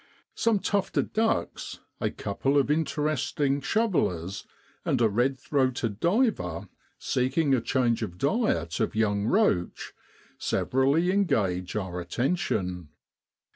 Some tufted ducks, a couple of inter esting shovellers, and a redthroated diver, seeking a change diet of young roach, severally engage our attention.